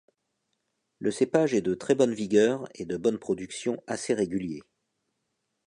Le cépage est de très bonne vigueur et de bonne production assez régulier.